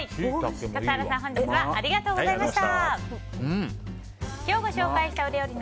笠原さん、本日はありがとうございました。